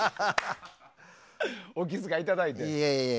お気遣いいただいて。